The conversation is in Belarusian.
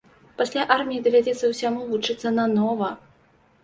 Пасля арміі давядзецца ўсяму вучыцца нанова!